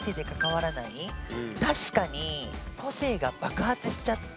確かに個性が爆発しちゃって。